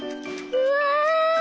うわ！